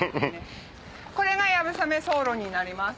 これが流鏑馬走路になります。